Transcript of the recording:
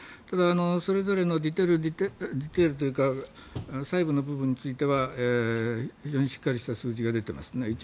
ただ、それぞれのディテールというか細部の部分については非常にしっかりした数字が出ていますね。